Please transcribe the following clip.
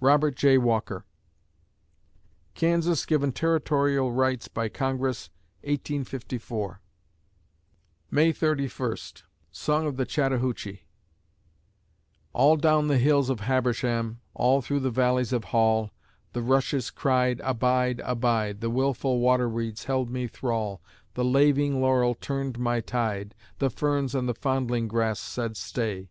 ROBERT J. WALKER Kansas given territorial rights by Congress, 1854 May Thirty First SONG OF THE CHATTAHOOCHEE ... All down the hills of Habersham, All through the valleys of Hall, The rushes cried Abide, abide, The wilful waterweeds held me thrall, The laving laurel turned my tide, The ferns and the fondling grass said Stay.